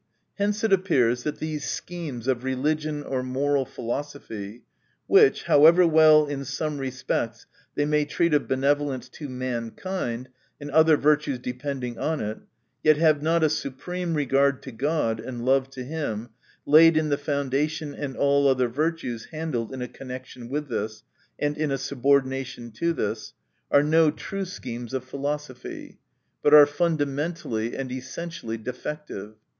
Hence it appears, that those schemes of religion or moral philo sophy, which, however well in some respects they may treat of benevolence to mankind, and other virtues depending on it, yet have not a supreme regard to God, and love to him, laid in the foundation, and all other virtues handled in a connection with this, and in a subordination to this, are not true schemes of philosophy, but are fundamentally and essentially defective.